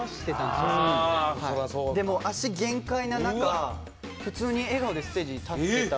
でもう足限界な中普通に笑顔でステージに立ってた。